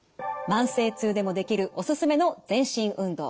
慢性痛でもできるおすすめの全身運動